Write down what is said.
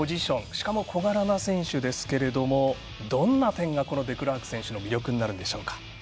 しかも小柄な選手ですけれどもどんな点が、デクラーク選手の魅力になるんでしょうか？